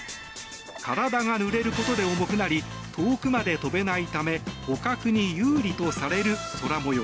体が濡れることで重くなり遠くまで飛べないため捕獲に有利とされる空模様。